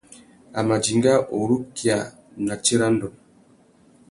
A mà dinga urukia a nà tsirândone.